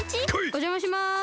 おじゃまします。